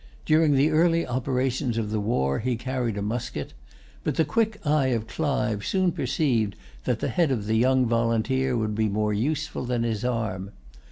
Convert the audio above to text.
During the early operations of the war he carried a musket. But the quick eye of Clive soon perceived that the head of the young volunteer would be more useful than his arm.